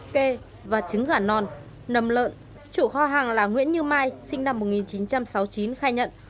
kê và trứng gà non nầm lợn chủ kho hàng là nguyễn như mai sinh năm một nghìn chín trăm sáu mươi chín khai nhận